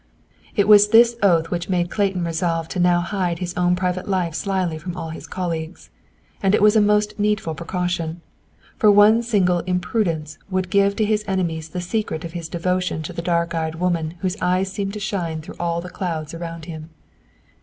It was this oath which made Clayton resolve to now hide his own private life slyly from all his colleagues. And it was a most needful precaution. For one single imprudence would give to his enemies the secret of his devotion to the dark eyed woman whose eyes seemed to shine through all the clouds around him.